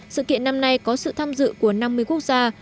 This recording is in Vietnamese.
sự kiện năm nay có sự tham dự của năm mươi quốc gia